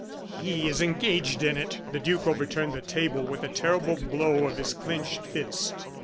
"He is engaged in it." The duke overturned the table with a terrible blow of his clinched fist.